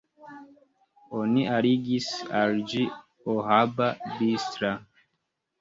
Oni aligis al ĝi Ohaba-Bistra.